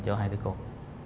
cho hai đứa con